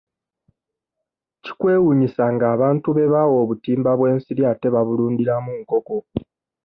Kikwewuunyisa ng'abantu be baawa obutimba bw'ensiri ate babulundiramu nkoko.